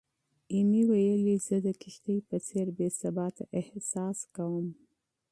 ایمي ویلي، "زه د کښتۍ په څېر بې ثباته احساس کوم."